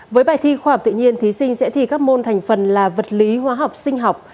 với bài thi khoa học tự nhiên thí sinh sẽ thi các môn thành phần là vật lý hóa học sinh học